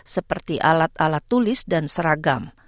seperti alat alat tulis dan seragam